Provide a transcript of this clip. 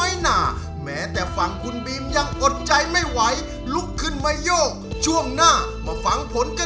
อยากเจอคนจริงใจมีไหมแถวนี้